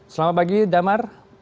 selamat pagi damar